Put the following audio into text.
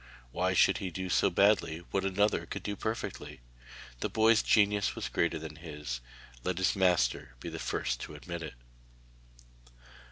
Why should he do badly what another could do perfectly? The boy's genius was greater than his: let his master be the first to admit it.